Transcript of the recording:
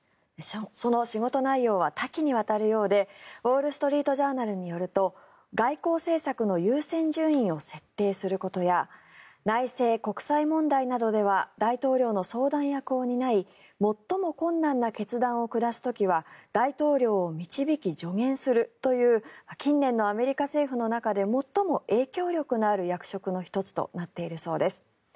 その仕事内容は多岐にわたるようでウォール・ストリート・ジャーナルによると外交政策の優先順位を設定することや内政・国際問題などでは大統領の相談役を担い最も困難な決断を下す時は大統領を導き、助言するという近年のアメリカ政府の中でも最も影響力のある役職の１つとなっているそうです。